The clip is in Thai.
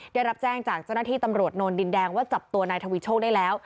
ได้รับแจ้งจากเจ้าหน้าที่ตำรวจโนนดินแดงว่าจับตัวนายทวีโชคได้แล้ว